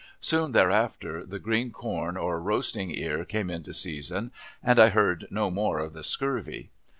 Soon, thereafter, the green corn or roasting ear came into season, and I heard no more of the scurvy.